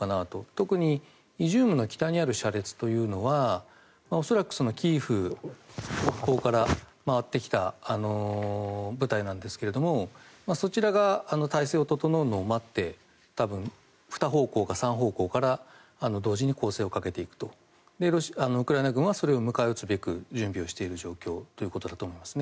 特にイジュームの北にある車列というのは恐らくキーウ北方から回ってきた部隊なんですけれどもそちらが態勢が整うのを待って多分、２方向か３方向から同時に攻勢をかけていくとウクライナ軍はそれを迎え撃つべく準備をしている状況ということだと思います。